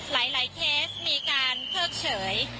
หลายเคสมีการเพิกเฉย